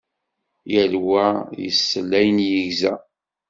Yal wa yessel ayen yegza.